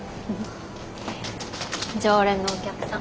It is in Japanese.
常連のお客さん。